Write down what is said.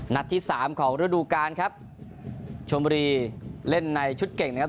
ที่สามของฤดูการครับชมบุรีเล่นในชุดเก่งนะครับ